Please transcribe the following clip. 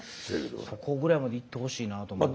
そこぐらいまでいってほしいなと。